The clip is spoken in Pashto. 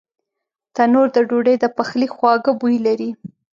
تنور د ډوډۍ د پخلي خواږه بوی لري